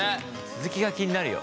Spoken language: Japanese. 続きが気になるよ。